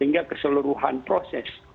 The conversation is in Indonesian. hingga keseluruhan proses